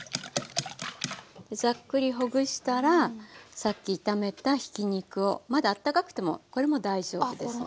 ザックリほぐしたらさっき炒めたひき肉をまだあったかくてもこれも大丈夫ですので。